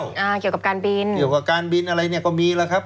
อ่าเกี่ยวกับการบินเกี่ยวกับการบินอะไรเนี่ยก็มีแล้วครับ